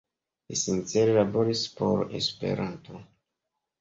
Li sincere laboris por Esperanto.